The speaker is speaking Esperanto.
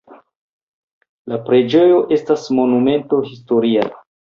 La preĝejo estas monumento historia.